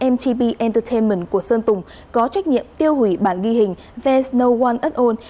mtb entertainment của sơn dùng có trách nhiệm tiêu hủy bản ghi hình there s no one at all